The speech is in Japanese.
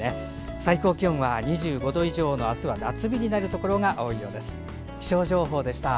最高気温は、２５度以上のあすは夏日になるところが多いようです。